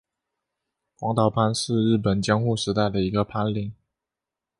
广岛藩是日本江户时代的一个藩领。